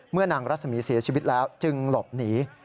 นางรัศมีเสียชีวิตแล้วจึงหลบหนี